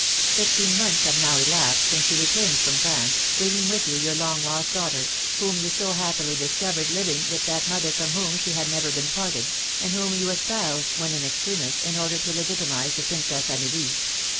"Fifteen months have now elapsed since you returned from France, bringing with you your long lost daughter, whom you so happily discovered living with that mother from whom she had never been parted, and whom you espoused when in extremis, in order to legitimise the Princess Amelie.